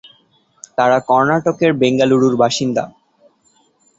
তাঁরা কর্ণাটকের বেঙ্গালুরুর বাসিন্দা।